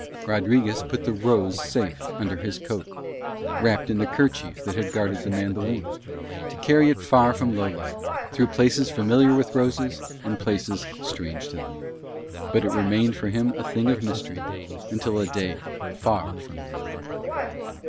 Rodriguez put the rose safe under his coat, wrapped in the kerchief that had guarded the mandolin, to carry it far from Lowlight, through places familiar with roses and places strange to them; but it remained for him a thing of mystery until a day far from then.